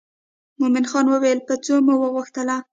مومن خان وویل په څو مو وغوښتله.